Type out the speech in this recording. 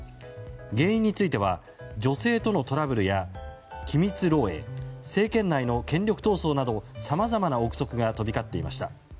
原因については女性とのトラブルや機密漏洩、政権内の権力闘争などさまざまな憶測が飛び交っていました。